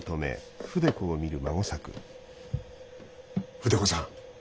筆子さん。